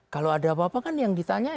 kalau ada apa apa kan yang ditanya